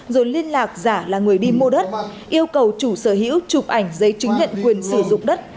rồi liên lạc giả là người đi mua đất yêu cầu chủ sở hữu chụp ảnh giấy chứng nhận quyền sử dụng đất